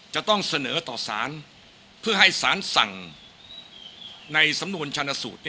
จะต้องเสนอต่อสารเพื่อให้สารสั่งในสำนวนชาญสูตร